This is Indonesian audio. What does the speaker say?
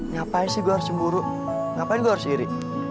ngapain sih gue harus cemburu ngapain gue harus iri